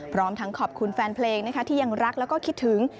พร้อมทั้งขอบคุณแฟนเพลงนะคะที่ยังรักแล้วก็คิดถึง